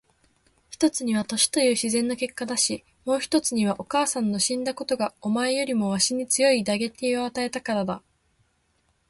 一つには年という自然の結果だし、もう一つにはお母さんの死んだことがお前よりもわしに強い打撃を与えたからだ。